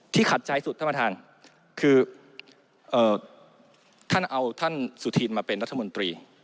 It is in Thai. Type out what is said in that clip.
ขัดใจสุดท่านประธานคือท่านเอาท่านสุธินมาเป็นรัฐมนตรี